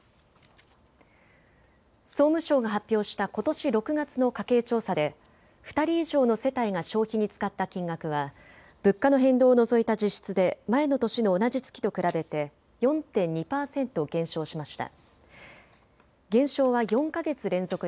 総務省が発表したことし６月の家計調査で２人以上の世帯が消費に使った金額は物価の変動を除いた実質で前の年の同じ月と比べて４．２％減少しました。